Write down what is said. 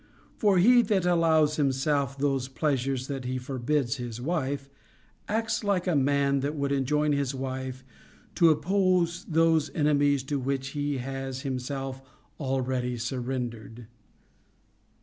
For he that allows him self those pleasures that he forbids his wife, acts like a man that would enjoin his wife to oppose those enemies to which he has himself already surrendered.